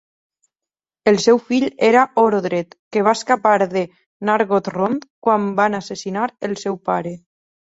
El seu fill era Orodreth, que va escapar de Nargothrond quan van assassinar el seu pare.